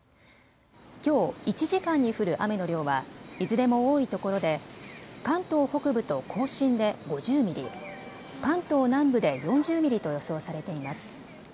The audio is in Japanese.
きょう１時間に降る雨の量はいずれも多いところで関東北部と甲信で５０ミリ、関東南部で４０ミリと予想されています。